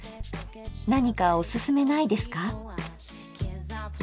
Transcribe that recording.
何かおすすめないですか？